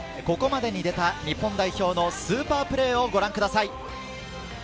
ここまでに出た日本代表のスーパープレーをご覧ください。